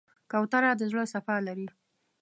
کوتره د زړه صفا لري.